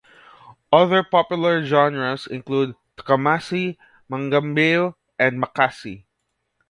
Other popular genres include tchamassi, mangambeu and makassi.